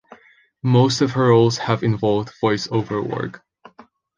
Most of her roles have involved voice-over work.